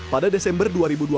pada desember dua ribu dua puluh